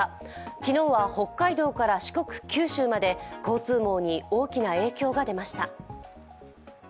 昨日は北海道から四国、九州まで交通網に大きな影響が出ました。